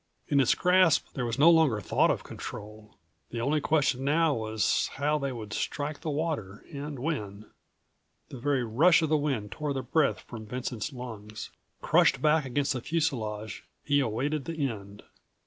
In its grasp, there was no longer thought of control. The only question now was how they would strike the water and when. The very rush of the wind tore the breath from Vincent's201 lungs. Crushed back against the fuselage, he awaited the end.